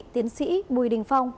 tiến sĩ bùi đình phong